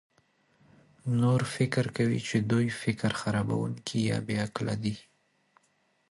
نور فکر کوي چې دوی فکر خرابونکي یا بې علاقه دي.